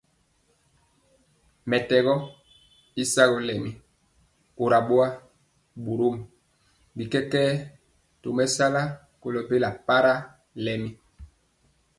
Mɛtɛgɔ y sagɔ lɛmi kora boa, borom bi kɛkɛɛ tomesala kolo bela para lɛmi.